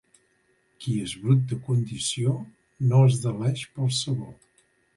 Qui és brut de condició no es deleix pel sabó.